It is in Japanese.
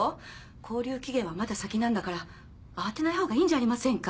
拘留期限はまだ先なんだから慌てないほうがいいんじゃありませんか？